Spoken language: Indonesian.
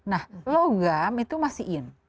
nah logam itu masih in